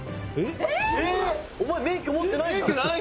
「お前免許持ってないじゃん！」